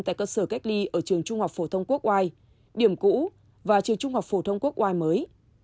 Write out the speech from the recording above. tại cơ sở cách ly ở trường trung học phổ thông quốc oai điểm cũ và trường trung học phổ thông quốc oai mới